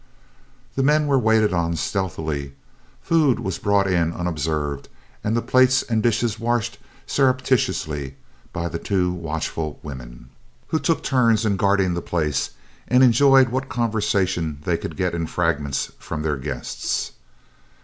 The men were waited on stealthily, food was brought in unobserved and the plates and dishes washed surreptitiously by the two watchful women, who took turns in guarding the place and enjoyed what conversation they could get in fragments from their guests.